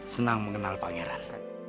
senang mengenal pangeran